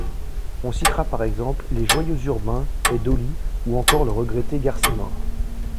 On citera par exemple les Joyeux Urbains, et Dolly, ou encore le regretté Garcimore.